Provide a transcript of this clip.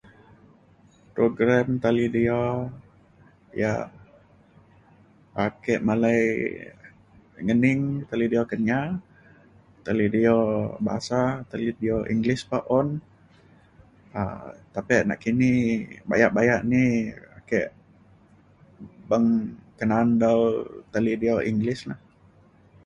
program talidio yak ake malai ngening talidio Kenyah talidio bahasa talidio English pa un um tapek nakini bayak bayak ni ake beng ke na’an dau talidio English na